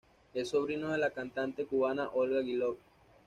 Es sobrino de la cantante cubana Olga Guillot.